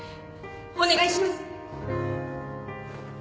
お願いします